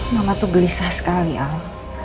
mama tuh gelisah sekali al